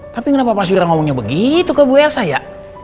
tapi kenapa pasir ngomongnya begitu ke ibu elsa ya